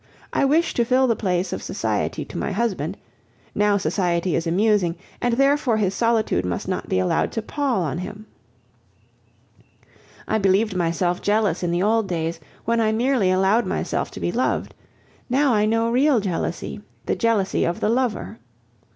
I wish to fill the place of society to my husband; now society is amusing, and therefore his solitude must not be allowed to pall on him. I believed myself jealous in the old days, when I merely allowed myself to be loved; now I know real jealousy, the jealousy of the lover.